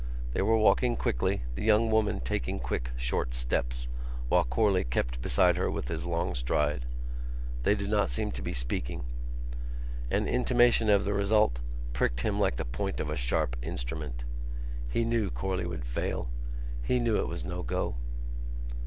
They were walking quickly, the young woman taking quick short steps, while Corley kept beside her with his long stride. They did not seem to be speaking. An intimation of the result pricked him like the point of a sharp instrument. He knew Corley would fail; he knew it was no go.